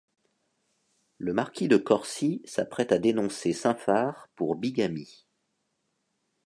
Le marquis de Corcy s'apprête à dénoncer Saint-Phar pour bigamie.